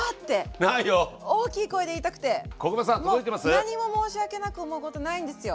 もう何も申し訳なく思うことないんですよ。